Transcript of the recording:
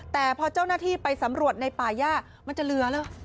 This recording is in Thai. แต่พอเจ้าหน้าที่ไปสำรวจในป่าย่ามันจะเหลือแล้ว